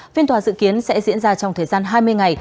phiên tòa dự kiến sẽ diễn ra trong thời gian hai mươi ngày